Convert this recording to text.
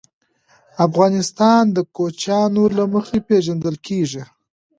افغانستان د کوچیانو له مخې پېژندل کېږي.